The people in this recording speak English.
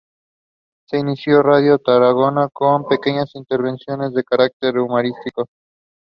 Salesmen on commission tended to see themselves as entrepreneurs rather than employees.